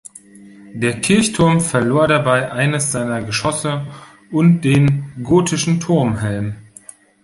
Der Kirchturm verlor dabei eines seiner Geschosse und den gotischen Turmhelm.